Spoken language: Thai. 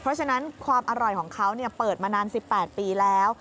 เพราะฉะนั้นความอร่อยของเขาเปิดมานาน๑๘ปีแล้ว